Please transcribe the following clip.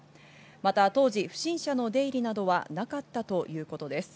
また当時、不審者の出入りなどはなかったということです。